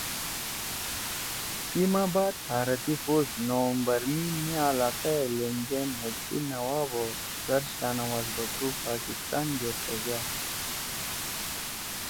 تی ما بعد بھارتی فوج نومبر می مے علاقہ ئے لھینگدے مھید سی نواب او سر شاہنواز بھٹو پاکستان گے ݜیگأد